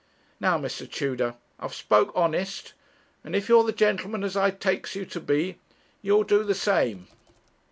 Now, Mr. Tudor, I've spoke honest; and if you're the gentleman as I takes you to be, you'll do the same.'